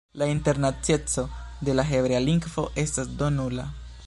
La internacieco de la hebrea lingvo estas do nula.